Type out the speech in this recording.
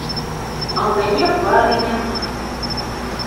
А ў мяне пары няма.